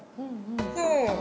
そう。